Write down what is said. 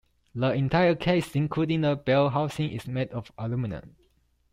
The entire case, including the bell housing, is made of aluminum.